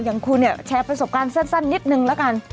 อย่างคุณเนี่ยแชร์ประสบการณ์สั้นนิดนึงละกัน